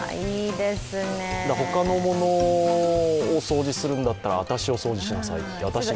他のものを掃除するんだったら、あたしを掃除しなさいと。